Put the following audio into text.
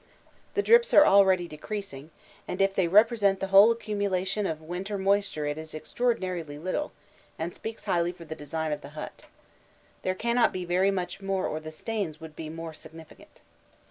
The drips are already decreasing, and if they represent the whole accumulation of winter moisture it is extraordinarily little, and speaks highly for the design of the hut. There cannot be very much more or the stains would be more significant.